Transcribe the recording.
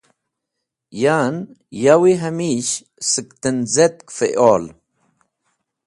Yan yawi hamish sẽk tẽnz̃etk fẽol.